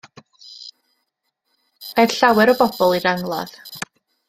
Aeth llawer o bobl i'r angladd.